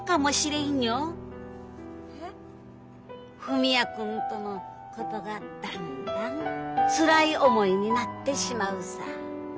文也君とのことがだんだんつらい思いになってしまうさぁ。